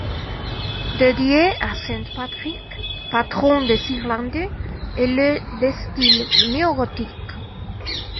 Dédiée à saint Patrick, patron des Irlandais, elle est de style néo-gothique.